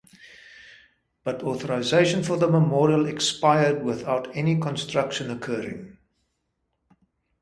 But authorization for the memorial expired without any construction occurring.